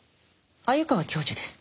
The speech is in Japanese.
鮎川教授です。